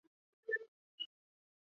唐朝复置龙州。